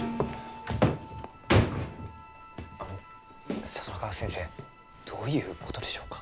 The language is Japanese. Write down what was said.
あの里中先生どういうことでしょうか？